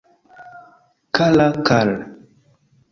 Kara Karl!